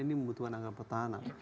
ini membutuhkan anggaran pertahanan